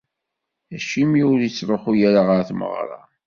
Acimi ur ittruḥu ara ɣer tmeɣra?